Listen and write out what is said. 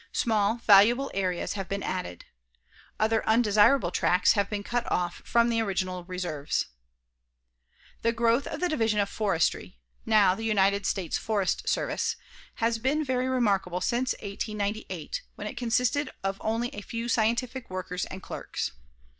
Small, valuable areas have been added. Other undesirable tracts have been cut off from the original reserves. The growth of the Division of Forestry, now the United States Forest Service, has been very remarkable since 1898, when it consisted of only a few scientific workers and clerks.